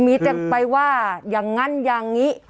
มีแต่ไปว่าอย่างนั้นอย่างนี้